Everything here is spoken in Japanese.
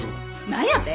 何やて！？